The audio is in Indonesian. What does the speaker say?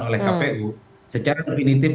oleh kpu secara definitif